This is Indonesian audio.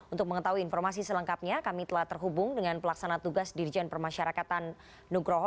untuk mengetahui informasi selengkapnya kami telah terhubung dengan pelaksana tugas dirjen permasyarakatan nugroho